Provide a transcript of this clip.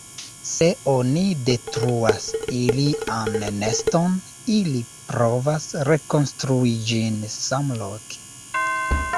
Se oni detruas ilian neston, ili provas rekonstrui ĝin samloke.